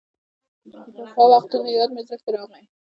د پخوا وختونو یاد مې زړه کې راغۍ، څه ښه وختونه تېر شول.